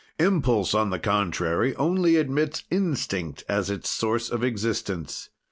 Impulse, on the contrary, only admits instinct as its source of existence.